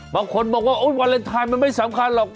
บางคนบอกว่าวาเลนไทยมันไม่สำคัญหรอก